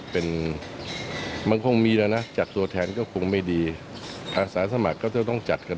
เพราะฉะนั้นมันเพื่อยังไง